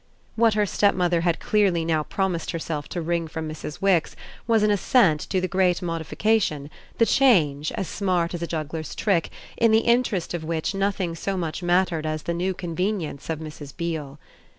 What her stepmother had clearly now promised herself to wring from Mrs. Wix was an assent to the great modification, the change, as smart as a juggler's trick, in the interest of which nothing so much mattered as the new convenience of Mrs. Beale.